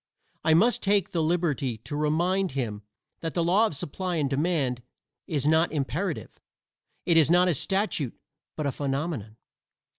I must take the liberty to remind him that the law of supply and demand is not imperative; it is not a statute but a phenomenon.